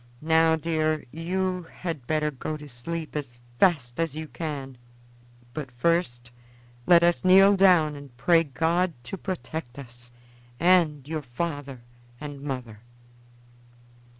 Now, dear, you had better go to sleep as fast as you can; but first let us kneel down and pray God to protect us and your father and mother."